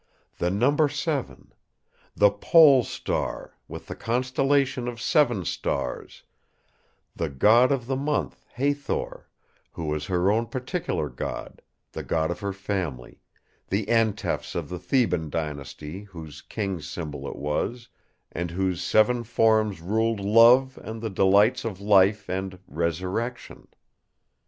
The number seven; the Pole Star, with the constellation of seven stars; the God of the month, Hathor, who was her own particular God, the God of her family, the Antefs of the Theban Dynasty, whose Kings' symbol it was, and whose seven forms ruled love and the delights of life and resurrection.